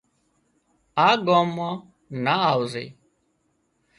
آ ڳام مان نا آوزي